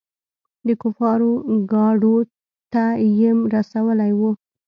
د کفارو ګاډو ته يېم رسولي وو.